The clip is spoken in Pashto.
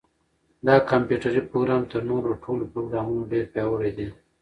دا کمپیوټري پروګرام تر نورو ټولو پروګرامونو ډېر پیاوړی دی.